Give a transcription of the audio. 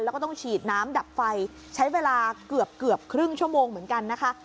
แล้วก็ต้องฉีดน้ำดับไฟใช้เวลาเกือบเกือบครึ่งชั่วโมงเหมือนกันนะคะ